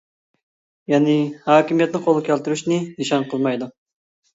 يەنى ھاكىمىيەتنى قولغا كەلتۈرۈشنى نىشان قىلمايدۇ.